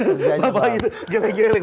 ada yang bagus kinerjanya bang